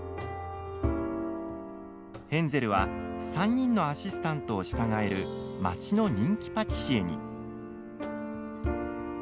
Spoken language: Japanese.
ヘンゼルは三人のアシスタントを従える街の人気パティシエに。